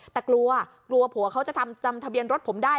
แต่กลัวกลัวผัวเขาจะทำจำทะเบียนรถผมได้